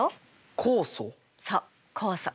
そう酵素。